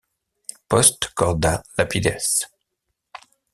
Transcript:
Post corda lapides